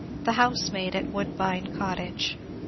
THE HOUSEMAID AT WOODBINE COTTAGE.